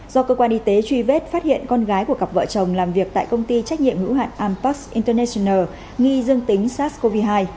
do cơ quan y tế truy vết phát hiện con gái của cặp vợ chồng làm việc tại công ty trách nhiệm hữu hạn ampass inonational nghi dương tính sars cov hai